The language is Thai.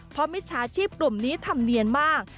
เพราะมิจฉาชีพกลุ่มนี้ทำเนียนมาก